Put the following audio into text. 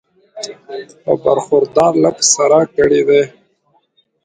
پۀ برخوردار لفظ سره کړی دی